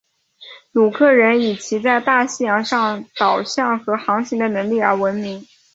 克鲁人以其在大西洋上导向和航行的能力而闻名。